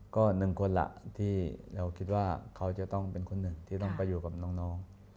ก็หนึ่งคนล่ะที่เราคิดว่าเขาจะต้องเป็นคนหนึ่งที่ต้องไปอยู่กับน้อง